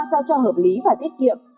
sao cho hợp lý và tiết kiệm